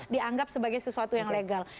dianggap sebagai sesuatu yang legal